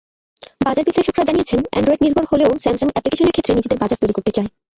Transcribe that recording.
বাজার বিশ্লেষকেরা জানিয়েছেন, অ্যান্ড্রয়েডনির্ভর হলেও স্যামসাং অ্যাপ্লিকেশনের ক্ষেত্রে নিজেদের বাজার তৈরি করতে চায়।